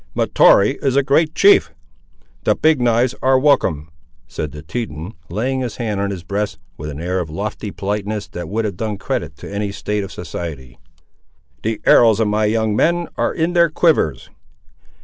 "Mahtoree is a great chief! The Big knives are welcome," said the Teton, laying his hand on his breast, with an air of lofty politeness that would have done credit to any state of society. "The arrows of my young men are in their quivers."